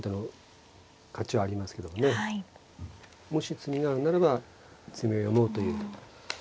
もし詰みがあるならば詰みを読もうという。